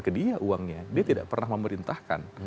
ke dia uangnya dia tidak pernah memerintahkan